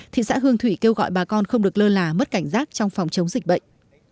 thị xã hương thủy kêu gọi bà con không được lơ là mất cảnh giác trong phòng chống dịch bệnh